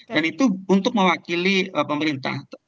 dan itu untuk mewakili pemerintah